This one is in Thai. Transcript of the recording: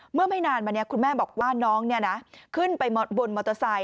ไม่นานมานี้คุณแม่บอกว่าน้องขึ้นไปบนมอเตอร์ไซค